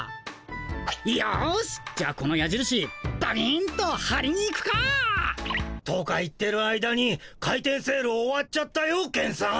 よしじゃあこのやじるしバビンとはりに行くか。とか言ってる間に開店セール終わっちゃったよケンさん。